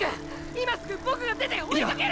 今すぐボクが出て追いかける！！